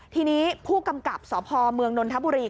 ทีนี้ผู้กำกับสพเมืองนนทบุรี